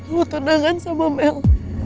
lo tenangan sama mel